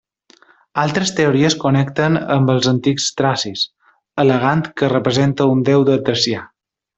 Altres teories connecten amb els antics tracis, al·legant que representa un déu de Tràcia.